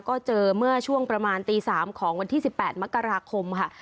ก็เจอเมื่อช่วงประมาณตี๓ของวันที่๑๘มกราคมค่ะ